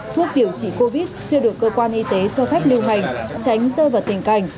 thuốc điều trị covid chưa được cơ quan y tế cho phép lưu hành tránh rơi vào tình cảnh